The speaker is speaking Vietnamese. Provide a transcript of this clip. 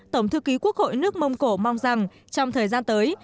tổng thư ký quốc hội nước mông cổ mong rằng trong thời gian tới